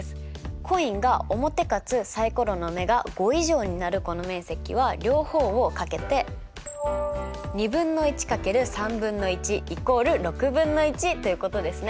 コインが表かつサイコロの目が５以上になるこの面積は両方をかけてということですね。